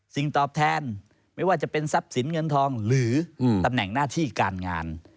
ตอบแทนไม่ว่าจะเป็นทรัพย์สินเงินทองหรือตำแหน่งหน้าที่การงาน